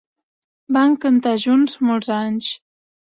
Van cantar junts molts anys.